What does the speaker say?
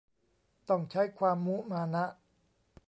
ต้องใช้ความมุมานะ